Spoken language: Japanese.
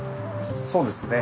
そうですね。